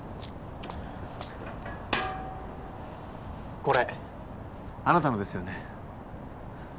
これあなたのですよね？